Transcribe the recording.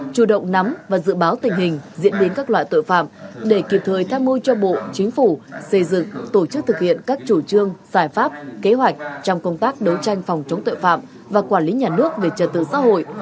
chủ động nắm và dự báo tình hình diễn biến các loại tội phạm để kịp thời tham mưu cho bộ chính phủ xây dựng tổ chức thực hiện các chủ trương giải pháp kế hoạch trong công tác đấu tranh phòng chống tội phạm và quản lý nhà nước về trật tự xã hội